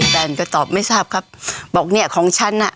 แฟนก็ตอบไม่ทราบครับบอกเนี่ยของฉันอ่ะ